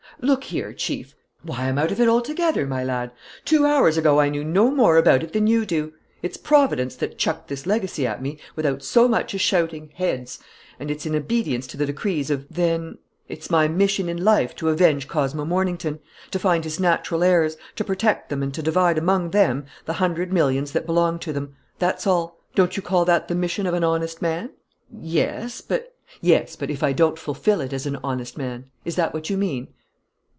"Look here, Chief " "Why, I'm out of it altogether, my lad! Two hours ago I knew no more about it than you do. It's Providence that chucked this legacy at me, without so much as shouting, 'Heads!' And it's in obedience to the decrees of " "Then ?" "It's my mission in life to avenge Cosmo Mornington, to find his natural heirs, to protect them and to divide among them the hundred millions that belong to them. That's all. Don't you call that the mission of an honest man?" "Yes, but " "Yes, but, if I don't fulfil it as an honest man: is that what you mean?"